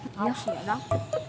tahu sih dadang